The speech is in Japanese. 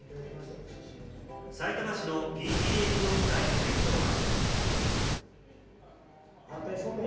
さいたま市のＰＴＡ協議会会長は。